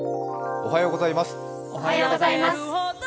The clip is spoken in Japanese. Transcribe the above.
おはようございます。